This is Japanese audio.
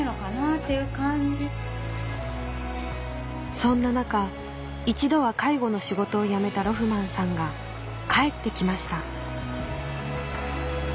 そんな中一度は介護の仕事を辞めたロフマンさんが帰ってきました